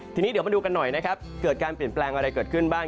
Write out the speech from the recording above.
ทีนี้เดี๋ยวมาดูกันหน่อยนะครับเกิดการเปลี่ยนแปลงอะไรเกิดขึ้นบ้าง